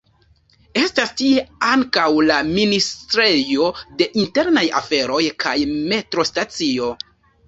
Estas tie ankaŭ la Ministrejo de Internaj Aferoj kaj metrostacio.